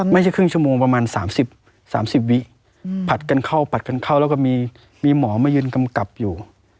ไม่ใช่ครึ่งชั่วโมงประมาณ๓๐วิผัดกันเข้าแล้วก็มีหมอมายืนกำกับอยู่